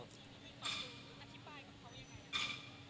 พี่ตอนนี้อธิบายกับเขายังไงครับ